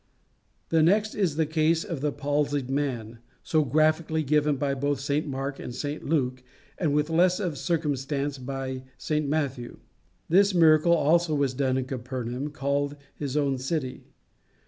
The next is the case of the palsied man, so graphically given both by St Mark and St Luke, and with less of circumstance by St Matthew. This miracle also was done in Capernaum, called his own city.